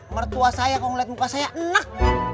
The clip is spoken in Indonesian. mertua saya kalau melihat muka saya enak